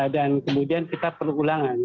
dan kemudian kita perlu ulangan